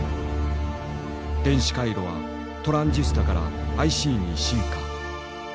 電子回路はトランジスタからＩＣに進化。